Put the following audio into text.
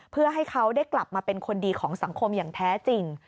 เพื่อให้เขาได้กลับมาเป็นคนดีของสังคมอย่างแท้จริง